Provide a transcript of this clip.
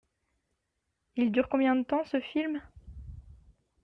Il dure combien de temps ce film?